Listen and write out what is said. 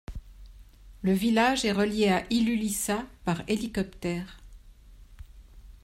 Le village est relié à Ilulissat par hélicoptère.